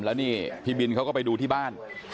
แล้วนี่พี่บินเขาก็ไปดูที่บ้าน